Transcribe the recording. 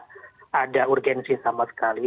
tidak ada urgensi sama sekali